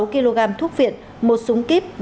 sáu kg thuốc viện một súng kíp